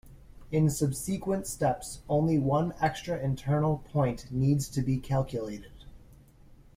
In subsequent steps, only one extra internal point needs to be calculated.